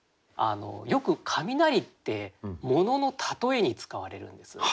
よく雷ってものの例えに使われるんです。